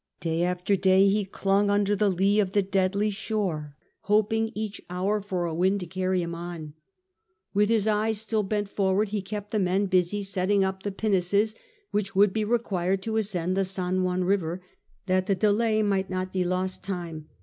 Day after day he clung under the lee of the deadly shore hoping each hour for a wind to carry him on. With his eyes still bent forward he kept the men busy setting up the pinnaces which would be required to ascend the San Juan river, that the delay might not be lost time.